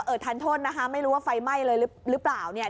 ทันโทษนะคะไม่รู้ว่าไฟไหม้เลยหรือเปล่าเนี่ย